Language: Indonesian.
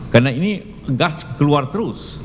karena ini gas keluar terus